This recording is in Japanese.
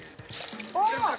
ああ。